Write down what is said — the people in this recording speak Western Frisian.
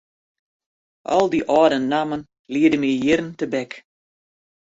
Al dy âlde nammen liede my jierren tebek.